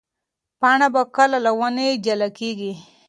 پاڼه به کله له ونې جلا کېږي؟